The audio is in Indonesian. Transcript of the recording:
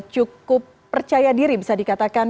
cukup percaya diri bisa dikatakan